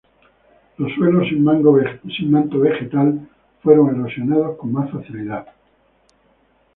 Los suelos, sin manto vegetal, fueron erosionados con más facilidad.